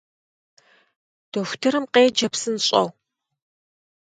Дохутырым къеджэ псынщӏэу!